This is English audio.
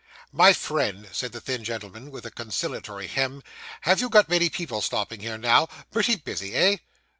'My friend,' said the thin gentleman, with a conciliatory hem 'have you got many people stopping here now? Pretty busy. Eh?